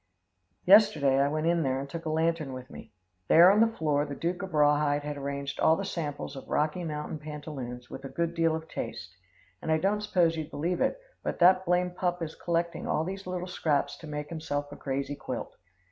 "Yesterday I went in there and took a lantern with me. There on the floor the Duke of Rawhide had arranged all the samples of Rocky Mountain pantaloons with a good deal of taste, and I don't suppose you'd believe it, but that blamed pup is collecting all these little scraps to make himself a crazy quilt.